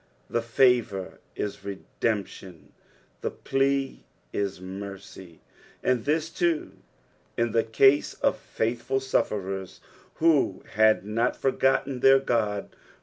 The favour is redemptioi the plea is mercy ; and this, too, in the cose of faithful sufferers who had not forgotten their Ood.